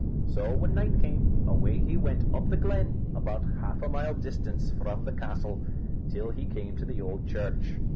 So, when night came, away he went up the glen, about half a mile distance from the castle, till he came to the old church.